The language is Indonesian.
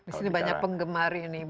di sini banyak penggemar ini